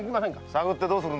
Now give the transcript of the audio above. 探ってどうする？